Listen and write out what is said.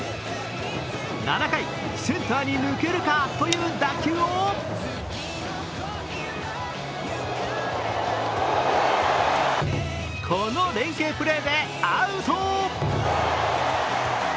７回、センターに抜けるかという打球をこの連係プレーでアウト。